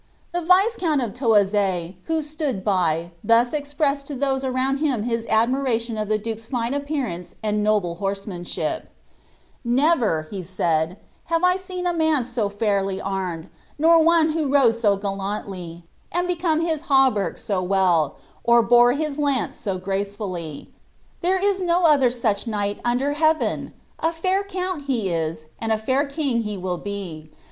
The viscount of Toazay, who stood by, thus expressed to those around him his admiration of the duke's fine appearance and noble horsemanship :'^ Never," said he, ^ have I seen a man so fairly armed,, nor one who rode so gallantly, and became his hauberk so well, or bore his lance so gracefully. There is no other such knight under heaven ! A fair count he is, and a fair king he will be.